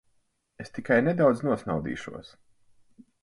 Es tikai nedaudz nosnaudīšos.